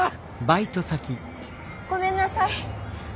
ごめんなさい。